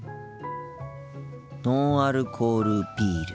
ノンアルコールビール。